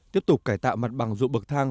tiếp tục cải tạo mặt bằng ruộng bậc thang